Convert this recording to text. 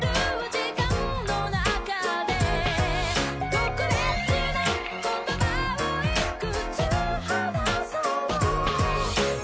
「特別な言葉をいくつ話そう」